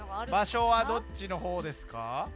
場所はどっちの方でしょうか？